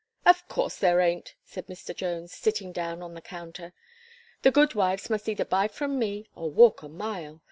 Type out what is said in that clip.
"Of course there ain't," said Mr. Jones, sitting down on the counter. "The goodwives must either buy from me, or walk a mile.